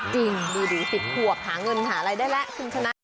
จริงดูดิ๑๐ขวบหาเงินหาอะไรได้แหละคืนชนะ